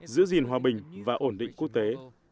giữ gìn hòa bình và ổn định quốc tế